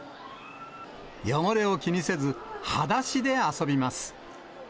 汚れを気にせず、はだしで遊びます。